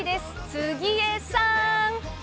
杉江さーん！